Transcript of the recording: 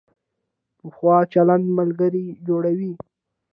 پوخ چلند ملګري جوړوي